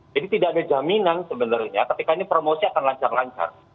jadi tidak ada jaminan sebenarnya tapi kali ini promosi akan lancar lancar